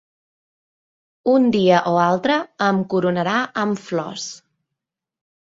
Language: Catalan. Un dia o altre em coronarà amb flors